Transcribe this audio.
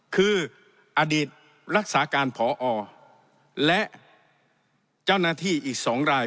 คืออดีตรักษาการพอและเจ้าหน้าที่อีก๒ราย